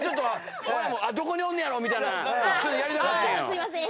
すいません。